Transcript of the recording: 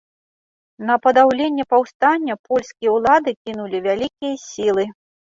На падаўленне паўстання польскія ўлады кінулі вялікія сілы.